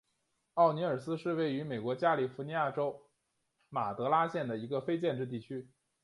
奥尼尔斯是位于美国加利福尼亚州马德拉县的一个非建制地区。